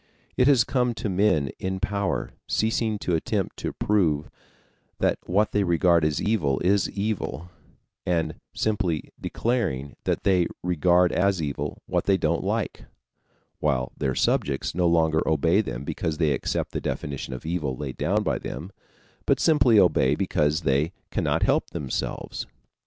It has come to men in power ceasing to attempt to prove that what they regard as evil is evil, and simply declaring that they regard as evil what they don't like, while their subjects no longer obey them because they accept the definition of evil laid down by them, but simply obey because they cannot help themselves.